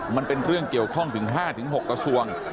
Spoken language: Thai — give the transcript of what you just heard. มันเป็นเรื่องเกี่ยวข้องถึง๕๖กระทรวง